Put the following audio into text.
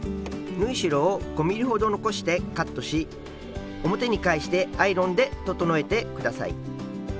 縫い代を５ｍｍほど残してカットし表に返してアイロンで整えてください。